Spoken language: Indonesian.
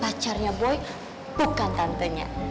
pacarnya boy bukan tantenya